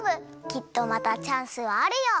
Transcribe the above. きっとまたチャンスはあるよ。